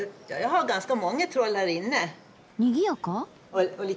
にぎやか？